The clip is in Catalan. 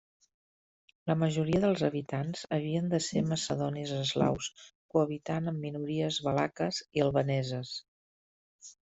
La majoria dels habitants havien de ser macedonis eslaus, cohabitant amb minories valaques i albaneses.